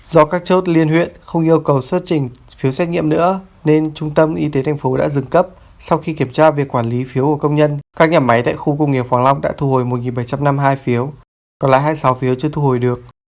do các chốt liên huyện không yêu cầu xuất trình phiếu xét nghiệm nữa nên trung tâm y tế thành phố đã dừng cấp sau khi kiểm tra việc quản lý phiếu của công nhân các nhà máy tại khu công nghiệp hoàng long đã thu hồi một bảy trăm năm mươi hai phiếu còn lại hai mươi sáu phiếu chưa thu hồi được